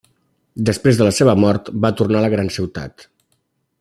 Després de la seva mort, va tornar a la gran ciutat.